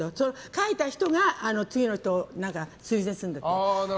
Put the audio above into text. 書いた人が次の人を推薦するんだって。